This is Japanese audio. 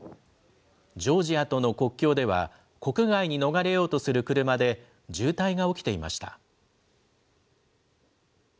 ジョージアとの国境では、国外に逃れようとする車で渋滞が起きていました。